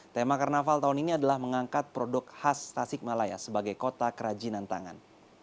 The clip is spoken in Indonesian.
tema karnaval tahun ini adalah mengangkat produk khas tasik malaya sebagai kota kerajinan tangan